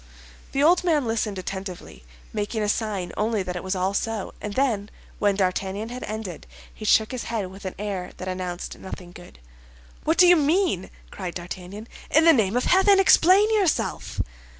The old man listened attentively, making a sign only that it was all so; and then, when D'Artagnan had ended, he shook his head with an air that announced nothing good. "What do you mean?" cried D'Artagnan. "In the name of heaven, explain yourself!"